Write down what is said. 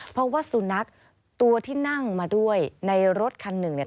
เพราะว่าสุนัขตัวที่นั่งมาด้วยในรถคันหนึ่งเนี่ย